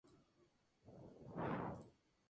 Es militante del Partido Comunista.